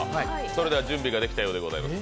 それでは準備ができたようです